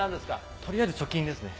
とりあえず貯金ですね。